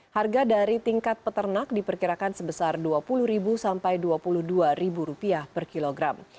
harga dari tingkat peternak diperkirakan sebesar rp dua puluh sampai rp dua puluh dua per kilogram